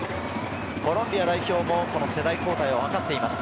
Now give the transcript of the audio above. コロンビア代表も世代交代を図っています。